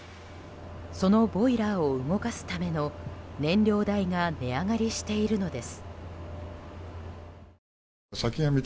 そのボイラーを動かすための燃料代が値上がりしているのです。